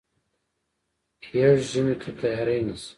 يږ ژمي ته تیاری نیسي.